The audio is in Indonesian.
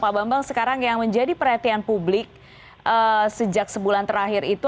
pak bambang sekarang yang menjadi perhatian publik sejak sebulan terakhir itu